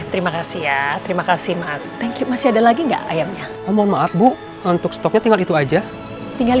terima kasih ya terima kasih mas mas ada lagi enggak ayamnya untuk stoknya tinggal itu aja tinggal